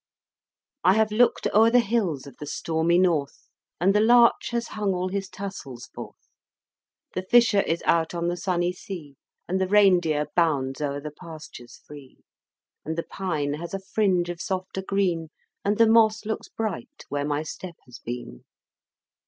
I have looked o'er the hills of the stormy North, And the larch has hung all his tassels forth; The fisher is out on the sunny sea, And the reindeer bounds o'er the pastures free, And the pine has a fringe of softer green, And the moss looks bright, where my step has been.